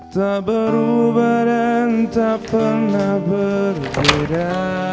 tak berubah dan tak pernah berbeda